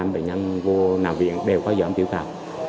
bệnh nhân vô nào viện đều có giọng tiểu cào